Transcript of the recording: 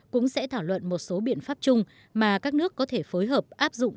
cũng sẽ thảo luận một số biện pháp chung mà các nước có thể phối hợp áp dụng